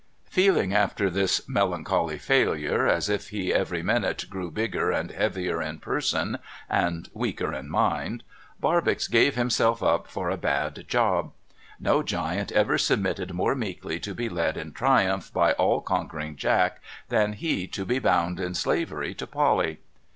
' Feeling, after this melancholy failure, as if he every minute grew bigger and heavier in person, and weaker in mind, Barbox gave himself up for a bad job. No giant ever submitted more meekly to be led in triumph by all conquering Jack than he to be bound in slavery to Polly.